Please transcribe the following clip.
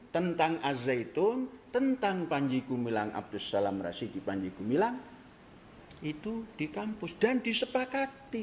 tentang al zaitun tentang panji gumilang abdus salam rasidi panji gumilang itu di kampus dan disepakati